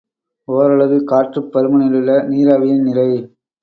ஓரலகு காற்றுப் பருமனிலுள்ள நீராவியின் நிறை.